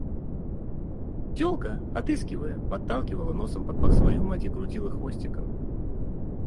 Телка, отыскивая, подталкивала носом под пах свою мать и крутила хвостиком.